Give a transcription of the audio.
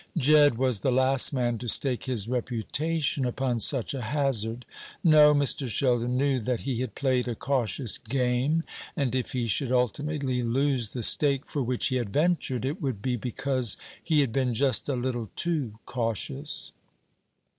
Jedd was the last man to stake his reputation upon such a hazard. No: Mr. Sheldon knew that he had played a cautious game; and if he should ultimately lose the stake for which he had ventured, it would be because he had been just a little too cautious.